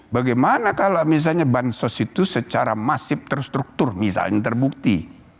bagaimana kalau misalnya bansos itu secara masif terstruktur misalnya terbukti